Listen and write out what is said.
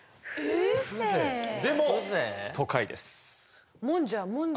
でも都会です。